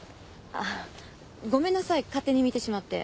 ごめんなさい勝手に見てしまって。